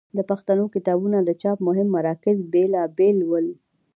د پښتو کتابونو د چاپ مهم مراکز بېلابېل ول.